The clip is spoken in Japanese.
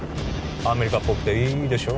アメリカっぽくていいでしょ？